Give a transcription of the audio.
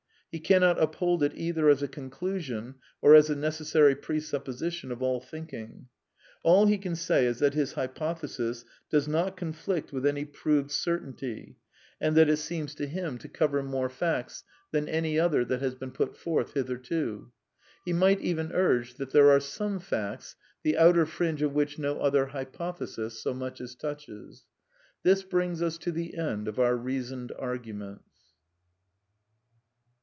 He cannot uphold it either as a conclusion or as a necessary presupposition of all think ing. All he can say is that his hypothesis does not con flict with any proved certainty, and that it seems to him 308 A DEFENCE OF IDEALISM to cover more facts than any other that has been put forth hitherto. He might even urge that there are some facts the outer fringe of which no other hypothesis so much as touches. This brings us to the end of our reasoned arguments.